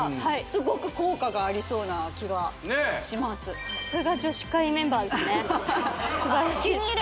すごく効果がありそうな気がします